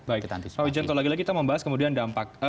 pak wijayanto lagi lagi kita membahas kemudian dampak